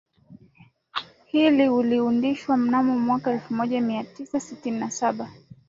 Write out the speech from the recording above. hili liliundwa mnamo mwaka elfumoja miatisa sitini na Saba